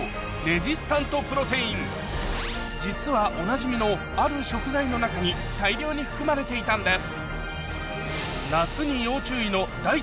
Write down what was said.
実はおなじみのある食材の中に大量に含まれていたんです